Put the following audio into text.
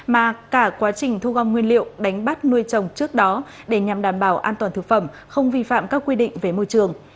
mà cả quá trình thu gom nguyên liệu đánh bắt nuôi trồng trước đó để nhằm đảm bảo an toàn thực phẩm không vi phạm các quy định về môi trường